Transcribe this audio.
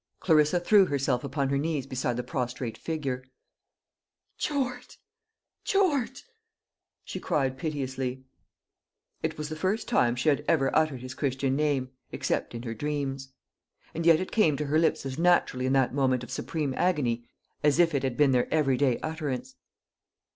Clarissa threw herself upon her knees beside the prostrate figure. "George! George!" she cried piteously. It was the first time she had ever uttered his Christian name, except in her dreams; and yet it came to her lips as naturally in that moment of supreme agony as if it had been their every day utterance.